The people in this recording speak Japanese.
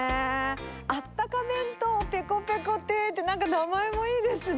あったか弁当ペコペコ亭って、なんか名前もいいですね。